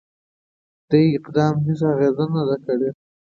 دې اقدام هیڅ اغېزه نه ده کړې.